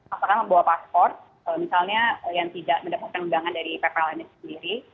apakah membawa paspor misalnya yang tidak mendapatkan umbangan dari ppr lainnya sendiri